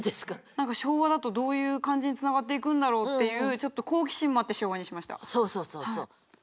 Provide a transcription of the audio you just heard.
何か「昭和」だとどういう感じにつながっていくんだろうっていうちょっと好奇心もあって「昭和」にしました。